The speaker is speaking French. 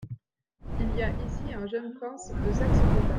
Il y a ici un jeune prince de Saxe-Gotha.